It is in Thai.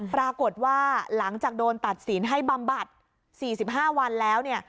ปรากฏว่าหลังจากโดนตัดสินให้บำบัด๔๕วันแล้วเนี่ย